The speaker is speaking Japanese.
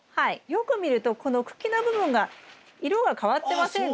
よく見るとこの茎の部分が色が変わってませんか？